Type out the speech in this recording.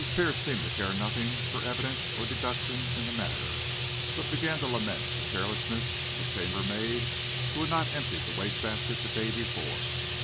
Pierce seemed to care nothing for evidence or deduction in the matter, but began to lament the carelessness of the chambermaid who had not emptied the waste basket the day before.